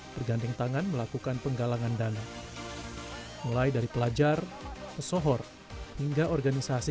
bergandeng tangan melakukan penggalangan dana mulai dari pelajar pesohor hingga organisasi